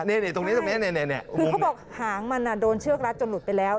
นี่ตรงนี้ตรงนี้คือเขาบอกหางมันโดนเชือกรัดจนหลุดไปแล้ว